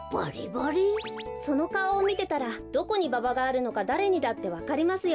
そのかおをみてたらどこにババがあるのかだれにだってわかりますよ。